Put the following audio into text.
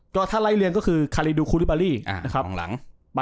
ก็ถ้าไร้เลียนก็คือคารีดูคูลิบารีอ่าข้างหลัง